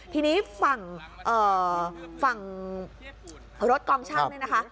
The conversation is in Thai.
ทีนี้ฝั่งฝั่งรถกองช่างนี่นะคะ